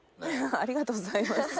ありがとうございます。